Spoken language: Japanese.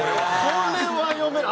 これは読めない。